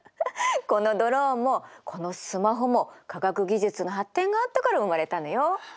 このドローンもこのスマホも科学技術の発展があったから生まれたのよ。